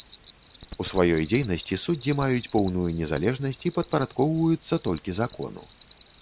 У сваёй дзейнасці суддзі маюць поўную незалежнасць і падпарадкоўваюцца толькі закону.